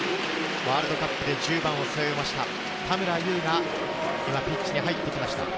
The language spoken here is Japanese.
ワールドカップで１０番を背負いました、田村優が今ピッチに入ってきました。